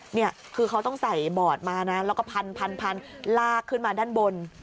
นี่คือเขาต้องใส่บอร์ดมานะแล้วก็พันลากขึ้นมาด้านบน